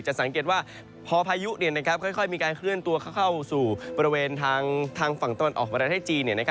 สังเกตว่าพอพายุค่อยมีการเคลื่อนตัวเข้าสู่บริเวณทางฝั่งตะวันออกประเทศจีน